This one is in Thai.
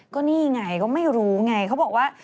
ก็นี่ไงก็ไม่รู้ไงเขาบอกว่า